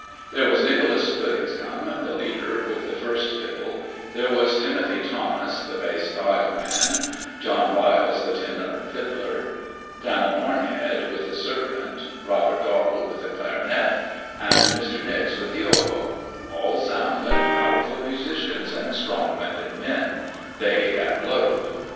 There was Nicholas Puddingcome, the leader, with the first fiddle; there was Timothy Thomas, the bass viol man; John Biles, the tenor fiddler; Dan'l Hornhead, with the serpent; Robert Dowdle, with the clarionet; and Mr. Nicks, with the oboe—all sound and powerful musicians, and strong winded men—they that blowed.